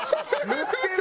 塗ってる！